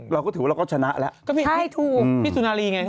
เราก็ถือว่าเราก็ชนะแล้วก็มีให้ถูกพี่สุนารีไง